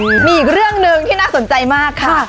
มีอีกเรื่องหนึ่งที่น่าสนใจมากค่ะ